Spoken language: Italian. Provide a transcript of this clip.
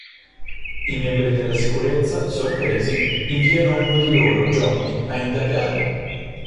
I membri della sicurezza, sorpresi, inviano uno di loro, Johnny, a indagare.